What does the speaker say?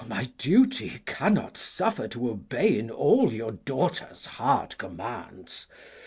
My duty cannot suffer T' obey in all your daughters' hard commands.